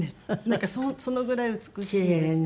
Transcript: なんかそのぐらい美しいです。